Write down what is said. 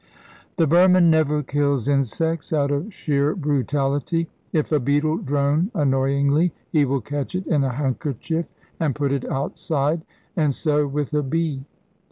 The Burman never kills insects out of sheer brutality. If a beetle drone annoyingly, he will catch it in a handkerchief and put it outside, and so with a bee.